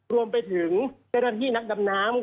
รวมไปถึงเจ้าหน้าที่นักดำน้ำ